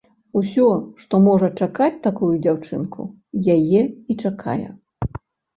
Усё, што можа чакаць такую дзяўчыну, яе і чакае.